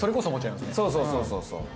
そうそうそうそうそう。